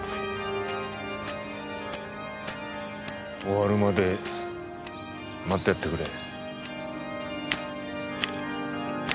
終わるまで待ってやってくれ。